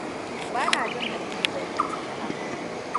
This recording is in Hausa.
Ba na jin Habibu zai fahimci haka.